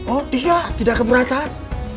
oh tidak tidak keberatan